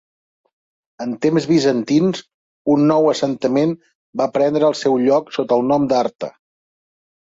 En temps bizantins, un nou assentament va prendre el seu lloc sota el nom d'Arta.